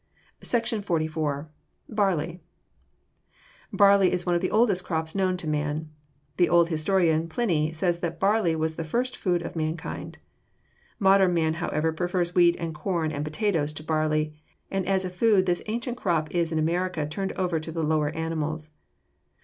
SECTION XLIV. BARLEY Barley is one of the oldest crops known to man. The old historian Pliny says that barley was the first food of mankind. Modern man however prefers wheat and corn and potatoes to barley, and as a food this ancient crop is in America turned over to the lower animals.